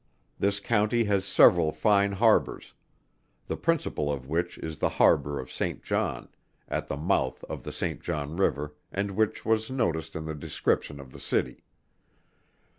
This county has several fine harbors; the principal of which is the harbor of Saint John, at the mouth of the Saint John river and which was noticed in the description of the city.